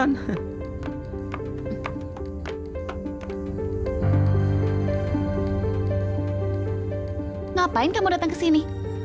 ngapain kamu datang ke sini